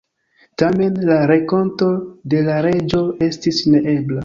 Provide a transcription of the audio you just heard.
Tamen, la renkonto de la reĝo estis neebla.